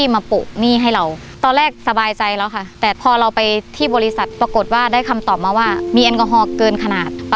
มีแอลกอฮอล์เกินขนาด